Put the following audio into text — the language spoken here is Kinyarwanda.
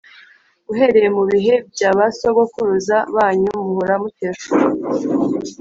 “Uhereye mu bihe bya ba sogokuruza banyu muhora muteshuka